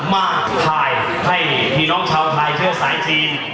มากภายให้พี่น้องชาวไทยเที่ยวสายจีน